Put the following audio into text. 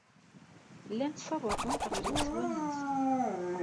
Llant ssawaḍent ɣer yeswan-nsent.